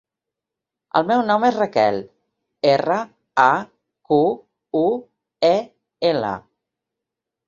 El meu nom és Raquel: erra, a, cu, u, e, ela.